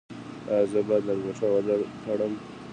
ایا زه باید لنګوټه ول تړم؟